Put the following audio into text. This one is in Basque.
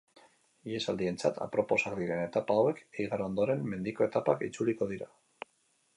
Ihesaldientzat aproposak diren etapa hauek igaro ondoren mendiko etapak itzuliko dira.